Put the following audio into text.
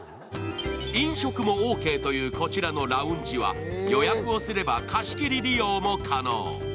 飲食もオーケーというこちらのラウンジは予約をすれば貸し切り利用も可能。